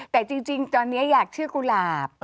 แต่จริงตอนนี้อยากเชื่อกุหลาบ